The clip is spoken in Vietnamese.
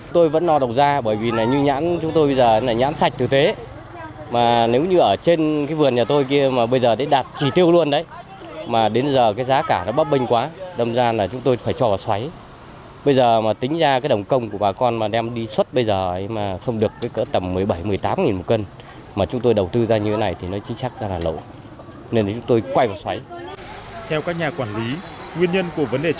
theo các nhà quản lý nguyên nhân của vấn đề trên là sản xuất và tiêu thụ nhãn phụ thuộc